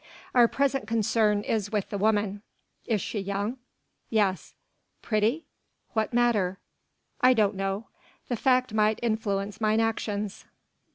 Our present concern is with the woman." "Is she young?" "Yes." "Pretty?" "What matter?" "I don't know. The fact might influence mine actions.